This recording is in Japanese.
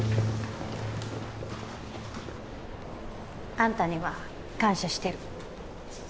あんたには感謝してる。